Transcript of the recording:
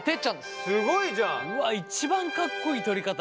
すごいじゃん。一番かっこいい取り方。